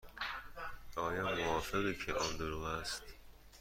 آیا موافقی که آن دروغ است؟